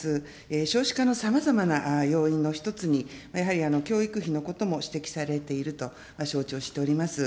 少子化のさまざまな要因の１つに、やはり教育費のことも指摘されていると、承知をしております。